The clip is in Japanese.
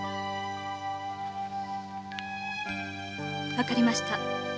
わかりました。